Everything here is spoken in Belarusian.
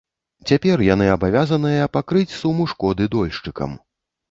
Цяпер яны абавязаныя пакрыць суму шкоды дольшчыкам.